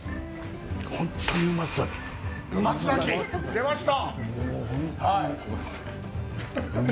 出ました！